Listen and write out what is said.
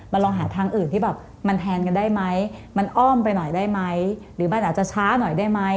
มันลองหาทางอื่นที่แบบมันแทนกันได้ไหมมันอ้อมไปหน่อยได้ไหมหรือมันอาจจะช้าหน่อยได้ไหม